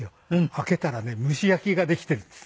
開けたらね蒸し焼きができているんです。